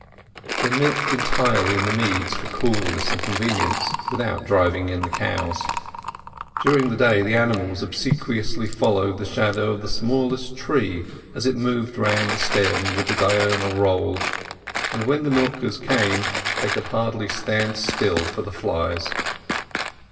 They milked entirely in the meads for coolness and convenience, without driving in the cows. During the day the animals obsequiously followed the shadow of the smallest tree as it moved round the stem with the diurnal roll; and when the milkers came they could hardly stand still for the flies.